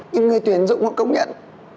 những người tuyển dụng cũng công nhận